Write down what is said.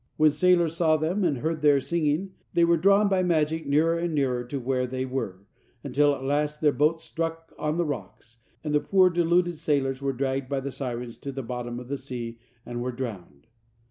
When sailors saw them and heard their singing, they were drawn by magic nearer and nearer to where they were, until at last their boats struck on the rocks, and the poor deluded sailors were dragged by the sirens to the bottom of the sea and were drowned.